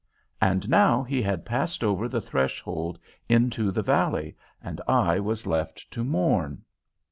And now he had passed over the threshold into the valley, and I was left to mourn.